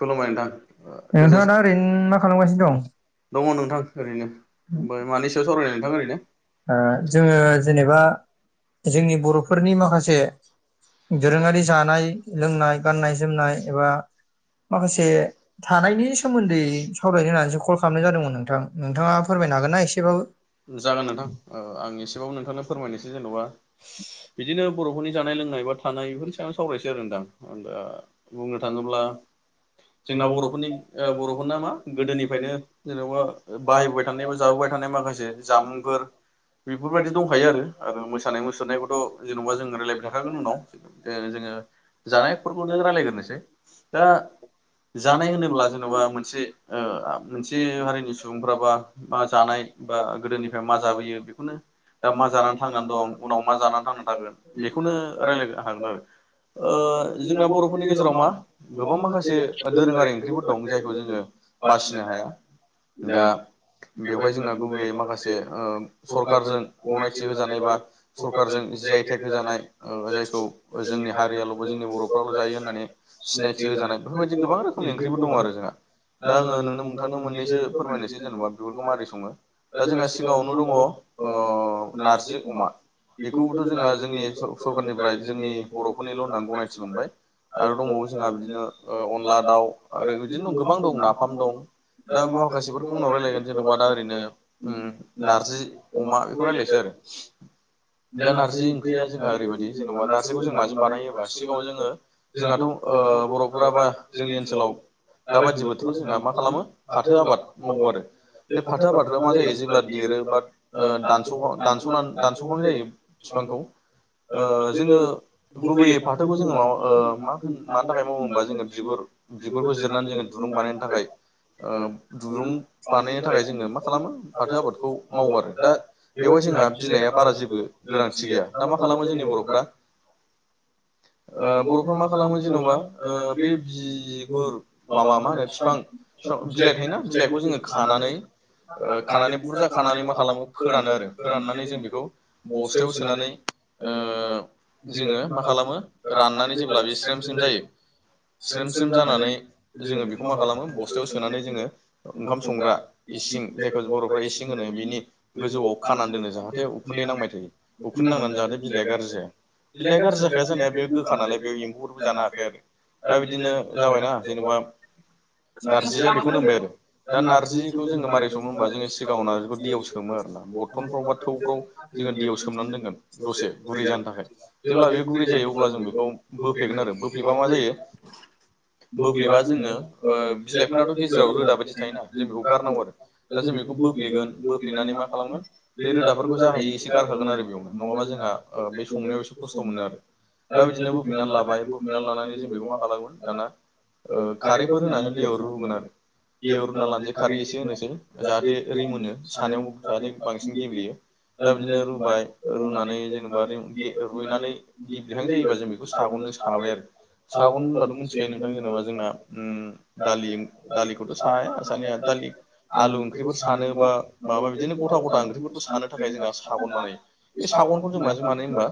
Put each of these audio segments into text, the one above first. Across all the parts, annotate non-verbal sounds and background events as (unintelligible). खुलुमबाय नोंथां ओ गोजोन दङ' नोंथां ओरैनो ओमफाय मानि सायाव सावरायनो नोंथां ओरैनो? ओ जोङो जेनेबा जोंनि बर'फोरनि माखासे दोरोङारि जानाय लोंनाय गाननाय जोमनाय एबा माखासे थानायनि सोमोन्दै सावरायनो होननानैसो खल खामनाय जादोंमोन नोंथां। नोंथाङा फोरमायनो हागोन ना एसेबाबो? जागोन नोंथां ओ आं एसेबाबो नोंथांनो फोरमायनोसै जेन'बा। (inaudible) बिदिनो बर'फोरनि जानाय लोंनाय बा थानाय बेफोरनि सायाव सावरायसै आरो नोंथां दा बुंनो थाङोब्ला जोंना बर'फोरनि ओ बर'फोरना मा गोदोनिफ्रायनो जेन'बा बाहायबोबाय थानाय बा जाबोबाय थानाय माखासे से जामुंफोर बेफोरबायदि दंखायो आरो आरो मोसानाय मुसुरनायखौथ' जेन'बा जों रायलाय बाय थाखागोन उनाव ओ जोङो जानायफोरखौनो लारायग्रोनोसै दा जानाय होनोब्ला जेन'बा मोनसे ओ मोनसे हारिनि सुबुंफ्रा बा मा जानाय बा गोदोनिफाय मा जाबोयो बेखौनो दा मा जानानै थांनानै दं उनाव मा जानानै थांना थागोन बेखौनो रायलायनो हागोन आरो ओ जोंना बर'फोरनि गेजेराव मा गोबां माखासे दोरोङारि ओंख्रिफोर दं जायखौ जोङो बासिनो हाया। दा बेवहाय जोंना गुबैयै माखासे ओम सरखारजों गनायथि होजानाय बा सरखारजों ओ जायखौ ओ जोंनि हारियाल' जोंनि बर'फ्राल' जायो होननानै सिनायथि होजानाय बेफोरबायदि गोबां रोखोमनि ओंख्रिबो दं आरो जोंहा। दा आङो नोंनो नोंथांनो मोन्नैसो फोरमायनोसै जेनेबा बेफोरखौ मारै सङो दा जोंहा सिगाङावनो दङ' अ नारजि अमा बेखौथ' जोंहा जोंनि स-सरकारनिफ्राय जोंनि बर'फोरनिल' होननाल' गनायथि मोनबाय आरो दङ' बिनो अनला दाउ आरो बिदिनो गोबां दं नाफाम दं। दा माखासेफोरखौ उनाव रायलायगोन जेन'बाा ओरनो नारजि अमाफोरखौ रायज्लायदो? (inaudible) दा नारजि ओंख्रिया जोंहा ओरैबायदि जेनेबा नारजिखौ जों माजों बानायोबा सिगाङाव जोङो जोंहाथ' ओ बर'फोरा बा जोंनि ओनसोलाव दा बायदि बोथोराव जोंहा मा खालामो फाथो आबाद मावो आरो। बे फाथो आबादफोरा मा जायो जेब्ला देरो बाद ओ दानस' दानस' दानस'खनाय जायो फिफांखौ ओ जोङो गुबैयै फाथोखौ जोङो ओ मा मानि थाखाय माव होबा जोङो बिगुर बिगुरखौ जिरनानै जोङो दुरुं बानायनो थाखाय ओ दुरुं बानायनो थाखाय जोङो मा खालामो फाथो आबादखौ मावो आरो दा बेवहाय जोंहा बिलाइआ बारा जेबो गोनांथि गैया दा मा खालामो जोंनि बर'फ ओ बर'फ्रा मा खालामो जेन'बा ओ बे बिगुर माबा मा होनो बिफां बिलाइ थायोना बिलाइखौ जोङो खानानै ओ खानानै बुरजा खानानै मा खालामो फोरानो आरो फोराननानै जों बेखौ बस्थायाव सोनानै ओ जोङो मा खालामो राननानै जेब्ला बे सिम जायो। स्रेम स्रेम जानानै जोङो बेखौ मा खालामो बस्थायाव सोनानै जोङो ओंखाम संग्रा इसिं जायखौ बर'फ्रा इसिं होनो बिनि गोजौआव खानानानै दोनो जाहाथे उखुन्दै नांबाय थायो उखुन नांनानै जाहाथे बिलाइया गाज्रिया बिलाइया गाज्रि जाखाया जानाया बेयो गोखा नालाय बे एम्फौबो जानो हाखायाखै आरो दा बिदिनो जाबायना जेनेबा नारजिया बेखौनो होनबाय आरो दा नारजिखौ जोङो मारै संङो होमबा जोङो सिगाङाव नारजिखौ दैयाव सो सोमो आरो ना बरथनफ्राव बा थौफ्राव जोङो दैयाव सोमनानै दोनगोन दसे गुरै जानो थाखाय जेब्ला बे गुरै जायो अब्ला जों बेखौ बो फुफ्लेगोन आरो बोफ्लेबा मा जायो। बोफ्लेबा जोङो बिलाइफोरनाथ' गेजेराव रोदा बायदि थायोना जों बेखौ गारनांगौ आरो। दा जों बेखौ बोफ्लेगोन बोफ्लेनानै मा खालामगोन बे रोदाफोरखौ जाहयो एसे गारखागोन आरो बेयावनो नङा जोंहा ओ बे संनायावसे खस्थ' मोनो आरो दा बिदिनो बोफ्लेनानै ला बाय बोफ्लेना लानानै जों बेखौ मा खालामगोन दाना ओ खारैफोर होनांगोन दैयाव रुगोनानै दैयाव रुना लानोसै खारै एसे होनोसै जाहाथे रिमोनो सानायावबो जाहाथे बांसिन गेब्लेयो। दा बिदिनो रुबाय रुनानै जेनेबा रुइनानै गिब्लिहां जायोबा जों बेखौ सागननो स थाबाय आरो। सागोन होनबाथ' मिथिखायो नोंथां जेनेबा जोंना ओम दालि दालिखौथ' साया सानाया दालि आलु ओंख्रिफोर सानो बा माबा बिदिनो गथा गथा ओंख्रिफोरखौ सानो थाखाय जोंहा सागन बानायो बे सागनखौ जों माजों बानायो होमबा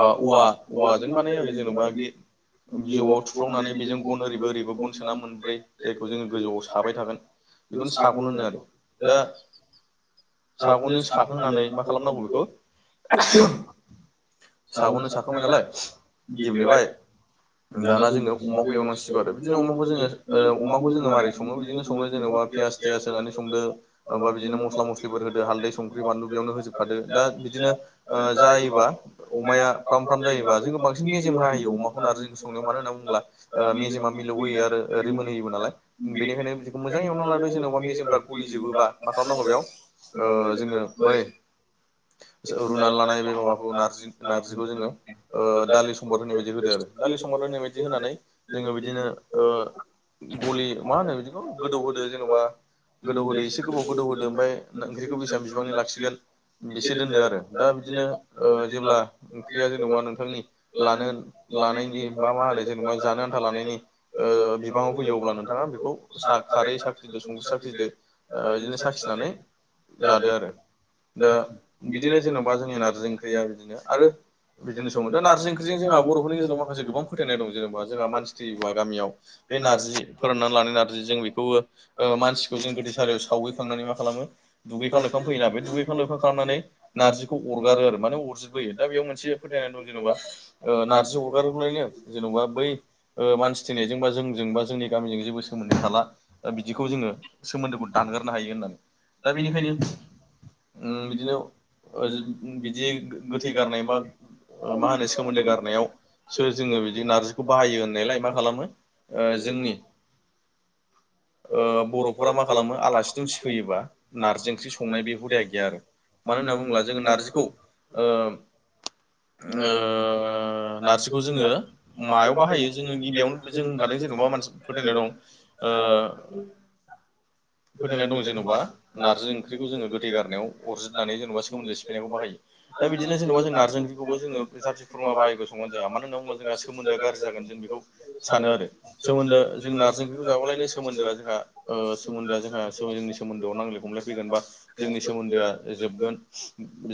अ औवा औवाजों बानायो आरो जेन'बा बिजौआव थुफ्रंनानै बेजों गन ओरैबो ओरैबो गन सोना मोनब्रै जायखौ जोङो गोजौआव साबाय थागोन। बेखौनो सागन होनो आरो दा सागनजों साखांनानै मा खालामनांगौ बेखौ आहम सागननो साखांबाय नालाय गिब्लिबाय दाना जोङो अमाखौ एवनांसिगौ आरो बिदिनो अमाखौ जोङोओ अमाखौ जो ओ मारै सङो बिदिनो संनो जेन'बा पियास फियास होनानै संदो माबा बिदिनो मस्ला मस्लिफोर होदो हालदै संख्रि बानलु बेयावनो होजोबखादो दा बिदिनो ओ जायोबा अमाया फ्राम फ्राम जायोबा जोङो बांसिन मेजेम हाहोयो अमाखौ नारजि संङो मानो होननानै बुंब्ला ओ मेजेमा मिलौ होयो आरो रिमोनहोयो नाल बेनिखायनो मोजाङै एवना लादो जेनेबा मेजेमफ्रा गलिजोबोबा मा खालामनांगौ बेयाव ओ जोङो बै रुनानै लानाय बे माबाखौ नारजि नारजिखौ जोङो ओ दालि सम्पद होनाय बायदि होदो आरो दालि सम्पद होनाय बायदि होनानै जोङो बिदिनो ओ गलि मा होनो बिदिखौ गोदौ होदो जेनेबा गोदौ होदो एसे गोबाव गोदौ होदो ओमफ्राय ओंख्रिखौ बेसेबां बिबांनि लाखिगोन बेसे दोन्दो आरो। दा बिदिनो ओ जेब्ला ओंख्रिया जेनेबा नोंथांनि लानो लानायनि मा मा होनो जेनेबा जानो आन्था लानायनि बिबाङाव फैयो अब्ला नोंथाङा बेखौ खारै साखिदो संख्रि साख्रिदो बिदिनो साखिनानै जादो आरो दा बिदिनो जेन'बा जोंनि नारजि ओंख्रिया बिदिनो आरो बिदिनो सङो। दा नारजि ओं- जों जोंहा बर'फोरनि गेजेराव माखासे गोबां फोथायनाय दं जेनेबा जोंहा मानसि थैयोब्ला गामियाव बे नारजि फोराननानै लानो नारजि जों बेखौबो ओ मानसिखौ जों गोदैसालियाव सावहैखांनानै मा खालामो। दुगैखां लोबखां फैयो ना बे लायफा लाइफां खालामनानै नारजिखौ अरगारो आरो माने अरजिर बोयो दा मानसे बेआव फोथायनाय दं जेनबा ओ नारजि हगारोबलायनो जेन'बा बै ओ मानसि थैनायजों बा जोंजों बा जोंनि गामिजों जेबो सोमोन्दो थाला बिदिखौ जोङो सोमोन्दोखौ दानगारनो हायो होननानै दा बेनिखायनो उम बिदिनो बिदि गोथै गारनाय मा मा होनो सोमोन्दो गारनायावसो जोङो बिदि नारजिखौ बाहायो होननायलाय मा खालामो ओ जोंनि ओ बर'फोरा मा खालामो आलासि-दुमसि फैयोब्ला नारजि ओंख्रि संनायनि (unintelligible) गैया। मा होनो होनब्ला जोंना (unintelligible) ओ ओ नार्जिखौ जोङो मायाव बाहायो जोङो गिबियावनो जों थादों जेनेबा मोनसे फोथायनाय दं ओ (inaudible) फोथायनाय दं जेन'बा नारजि ओंख्रिखौ जोङो गोथै गारनायाव अरज्रिनानै जेनेबा सोमोन्दो सिफायनायखौ बाहायो। दा बिदिनो जेन'बा जों नारजि ओंख्रिखौबो जोङो जाथि खुरमा बाहागि संनानै जाया मानो होनना बुोब्ला जोंहा सोमोन्दोआ गाज्रि जागोन जों बेखौ सानो आरो। सोमोन्दो जों नारजिखौ जाबालायनो सोमोन्दोआ जोंहा ओ सोमोन्दोआ जों जोंनि सोमोन्दोआव नांलाय-खमलाय बा जोंनि सोमोन्दोआ जोबगोन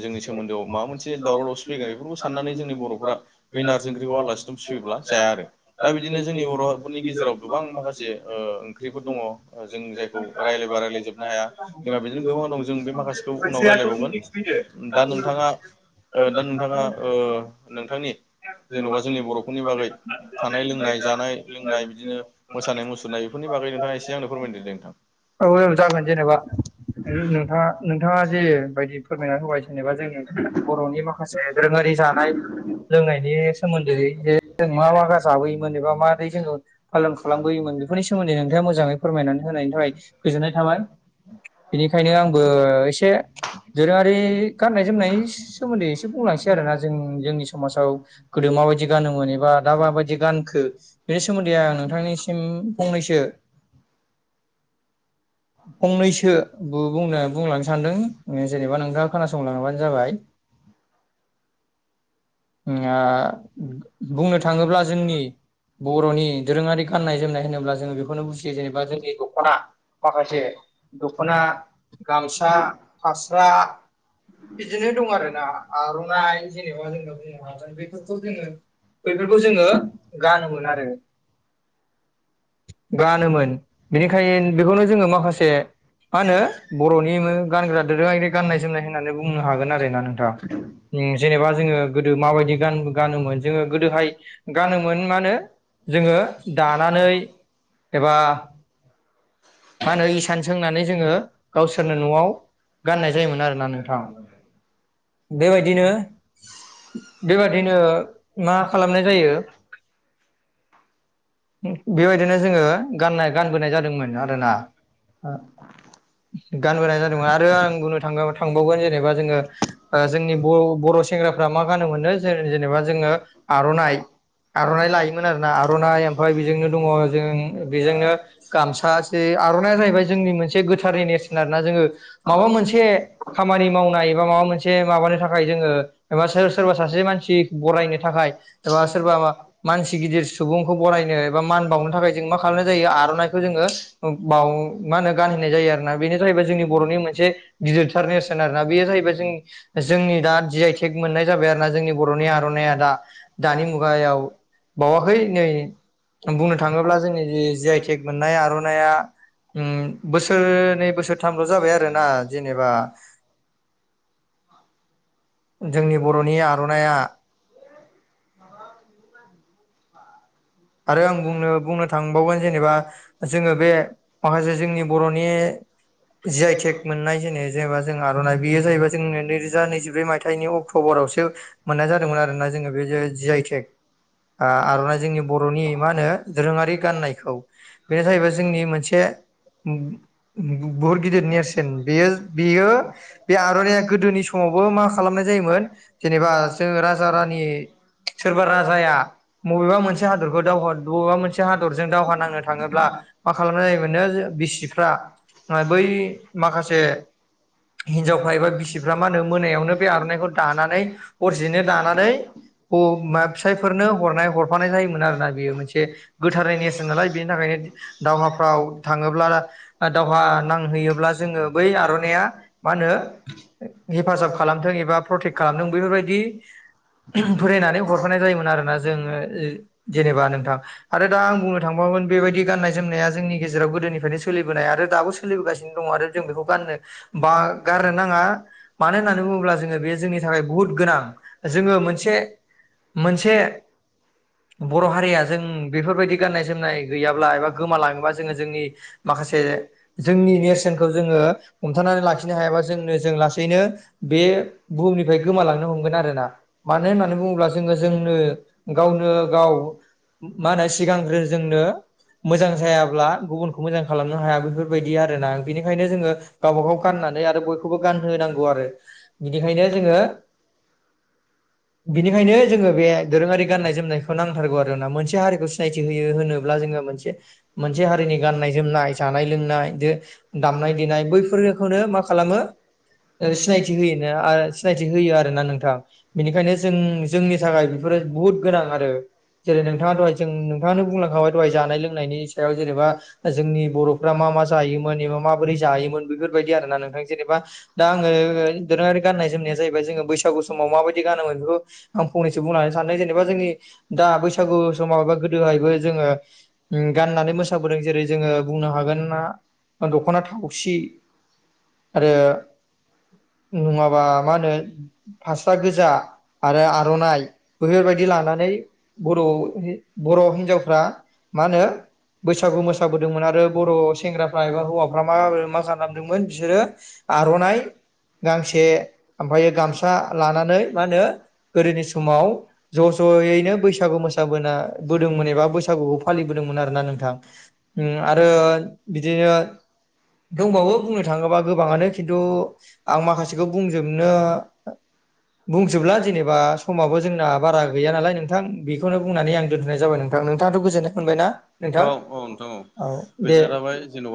जोंनि सोमोन्दोआव माबा मोनसे दावराव-दावसि फैगोन बेफोरखौ साननानै जोंनि बर'फोरा बेै नारजि ओंख्रिखौ आलासि-दुमसि फैयोब्ला जाया आरो दा बिदिनो जोंनि बर'फोरनि गेजेराव गोबां माखासे ओ ओंख्रिफोर दङ जोंनि जाय- खौ रायलायबा राय्लायजोबनो हाया जोंहा बेजोंनो गोबां दं जों बे माखासेखौ उनाव रायज्लायबावगोन। दा नोंथाङा दा नोंथाङा ओ नोंथांनि जेन'बा जोंनि बर'फोरनि बागै थानाय-लोंनाय जानाय-लोंनाय बिदिनो मोसानाय-मुसुरनाय बेफोरनि बागै नोंथाङा एसे आंनो फोरमायदो दे नोंथा? ओं जागोन जेनेवा (unintelligible) नोंथाङा जे बायदि फोरमायनानै होबाय जेनेबा जोंनि बर'नि माखासे दोरोङारि जानाय-लोंनायनि सोमोन्दै जे जों मा मा जाबोयोमोन एबा मारै जोङो फालन खालामबोयोमोन बेफोरनि सोमोन्दै नोंथाङा मोजाङै फोरमायनानै होनायनि थाखाय गोजोननाय थाबाय। बेनिखायनो आंबो एसे दोरोङारि गाननाय-जोमनायनि सोमोन्दै एसे बुंलांसै आरोना जों- जोंनि समाजाव गोदो माबायदि गानोमोन एबा दा माबायदि गानखो बेनि सोमोन्दै आं नोंथांनि सिम फंनैसो फंनैसो बुंनो-बुं-बुंलांनो सानदों जेनेबा नोंथाङा खोनासंलांबानो जाबाय। उम आ बुंनो थाङोब्ला जोंनि बर'नि दोरोङारि गाननाय-जोमनाय होनोब्ला जों बेखौनो बुजियो जेनेबा जोंनि दख'ना माखासे दख'ना, गामसा, फास्रा, बिदिनो दं आरो ना आर'नाइ जेनेबा मा जों बुंनो हागोन बेफोरखौ जोङो बफोरखौ जोङो गानोमोन आरो। गानोमोन बेनिखायनो बेखौनो जोङो माखासे मा होनो बर'नि गानग्रा दोरोङारि गाननाय-जोमनाय होननानै बुंनो हागोन आरो ना नोंथां। जेनेबा जोङो गोदो माबायदि गान-गानोमोन जोङो गोदोहाय गानोमोन मा होनो जोङो दानानै एबा मा होनो इसान सोंनानै जोङो गावसोरनो न'आव गाननाय जायोमोन आरोना नोंथां। बेबायदिनो बेबायादिनो मा खालामनाय जायो बेबायदिनो जोङो गाननाय गानबोनाय जादोंमोन आरोना गानबोनाय जादोंमोन आरो आं बुंनो थाङो थांबावगोन जेनेबा जोङो जोंनि बर' बर' सेंग्राफ्रा मा गानो मोनो जों जेनेबा जोङो आर'नाइ आर'नाइ लायोमोन आरोना आर'नाइ ओमफ्राय बेजोंनो दङ जों बेजोंनो गामसा गांसे आर'नाइया जाहैबाय जोंनि मोनसे गोथारनि नेरसोन आर ना जोङो माबा मोनसे खामानि मावनाय एबा माबा मोनसे माबानो थाखाय जोङो एबा सोर सोरबा सासे मानसि बरायनो थाखाय एबा सोरबा मानसि गिदिर सुबुंखौ बरायनो एबा मान बावनो थाखाय जों मा खालामनाय जायो आर'नाइखौ जोङो बाव मा होनो गानहैनाय जायो आरोना बेनि थाखायै जोंनि बर'नि मोनसे गिदिर इन्टारनेसनेल आर ना बेयो जाहैबाय जों जोंनि दा जि आइ टेक मोननाय जाबाय आरो ना जोंनि बर'नि आर'नाइया दा दानि मुगायाव बावाखै नै बुंनो थाङोब्ला जोंनि जि आइ टेक मोननाय आर'नाय नाया बोसोरनै बोसोरथामल' जाबाय आरोना जेनेबा जोंनि बर'नि आर'नाइया आरो आं बुंनो बुंनो थांबावगोन जेनेबा जोङो बे माखासे जोंनि बर'नि जि आइ टेक मोननाय जेने जेनेब जों आर'नाइ बेयो जाहैबाय जों नैरोजा नैजिब्रै माइ मायथाइनि अक्ट'बरावसो मोननाय जादोंमोन आरो ना जोङो बे जे जि आइटेक आर'नाइ जोंनि बर'नि मा होनो दोरोङारि गाननायखौ बेनो जाहैबाय जोंनि मोनसे बुहुत गिदिर नेरसोन बेयो बेयो बे आर'नायइया गोदोनि सम समावबो मा खालामनाय जायोमोन जेनेबा जोंङो राजा रानि सोरबा राजाया बबेबा मोनसे मोनसे हादरखौ दावहा बबेबा मोनसे हादरजों दावहा नांनो थाङोब्ला मा खालामनाय जायोमोननो बिसिफ्रा बै माखासे हिनजावफ्रा एबा बिसिफ्रा मा होनो मोनायाव हरसेयावनो आर'नाइखौ दानानै हरसेनो दानानै हौवा फिसायफोरनो फोरनो हरनाय हरफानाय जायोमोन आरोना बेयो मोनसे गोथारै नेेरसन नालाय बेनि थाखायनो दावहाफ्राव थाङोब्ला दावहा नांहैयोब्ला जोङो बै आर'नाइया मा होनो हेफाजाब खालामो खालामथों एबा प्रटेक्ट खालामदों बेफोरबायदि फरायनानै हरफानाय जायोमोन आरोना जोङो जेनेबा नोंथां आरो दा आं बुंनो थांबावोन बेबायदि गाननाय जोमनाया जोंनि गेजेराव गोदोनिफ्रायनो सोलिबोनाय आरो दाबो सोलिबोगासिनो दङ आरो जों बेखौ गाननो ब गारनो नाङा मानो होननानै बु अब्ला जोङो बेयो जोंनि थाखाय बुहुद गोनां जोङो मोनसे मोनसे बर' हारिया जों बेफोरबायदि गाननाय जोमनाय गैयाब्ला एबा गोमालाङोबा जोङो जोंनि माखासे जोंनि नेरसोनखौ जोङो हमथानानै लाखिनो हायाबा जोंनो जों लासैनो बे बुहुमनिफ्राय गोमालांनो हमगोन आरोना मानो होननानै बुङोब्ला जोङो जोंनो गावनो गाव मा होनो सिगांग्रो जोंनो मोजां जायाब्ला गुबुनखौ मोजां खालामनो हाया बेफोरबायदि आरोना बेनिखायनो जोङो गावबाागाव गाननानै आरो बयखौबो गानहोनांगौ आरो बिनिखायनो जोङो बिनिखायनो जोङो बे दोरोङारि गाननाय जोमनायखौ नांथारगौ आरोना मोनसे हारिखौ सिनायथि होयो होनोब्ला जोङो मोनसे मोनसे हारिनि गाननाय जोमनाय जानाय लोंनाय दामनाय देनाय बैफोरखौनो मा खालामो सिनायथि होयो सिनायथि होयो आरो ना नोंथां बेनिखायनो जों जोंनि थाखाय बेफोरो बुहुत गोनां आरो जेरै नोंथाङा दहाय जों नोंथाङानो बुंलांखाबाय दहाय जानाय लोंनायनि सायाव जेनेबा जोंनि बर' फ्रा मा मा जायोमोन एबा माबोरै जायोमोन बेफोरबायदि आरो ना नोंथां जेनेबा दा आङो दोरोङारि गाननाय जोमनाया जाहैबाय जोङो बैसागु समाव माबायदि गानोमोन बेखौ आं फंनैसो बुंनानै सानदों जेनेबा जोंनि दा बैसागु समावबो गोदोहायबो जोङो उम गाननानै मोसाबोदों जेरै जोङो बुंनो हागोन ना दखना थावसि आरो नङाबा मा होनो फास्रा गोजा आरो आरनाइ बेफोरबायदि लानानै बर' हि- बर' हिन्जावफ्रा मा होनो बैसागु मोसाबोदोंमोन आरो बर‌ सेंग्राफ्रा एबा हौवाफ्रा मा मा जानामदोंमोन बिसोरो आर'नाइ गांसे ओमफ्रायो गामसा लानानै मा होनो गोदोनि समाव ज' ज'यैनो बैसागु खौ मोसाबोना बोदोंमोन एबा बैसागुखौ फालिबोदोंमोन आरो ना नोंथां। उम आरो बिदिनो दंबावो बुंनो थाङोबा गोबाङानो खिन्थु आं माखासेखौ बुंजोबनो बुंजोबला जेनेबा समाबो जोंना बारा गैया नालाय नोंथां। (unintelligible) औ औ नोंथां औ गोजोन्नाय थाबाय। जेनबा